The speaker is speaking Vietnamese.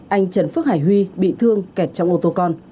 anh trần phước hải huy bị thương kẹt trong ô tô con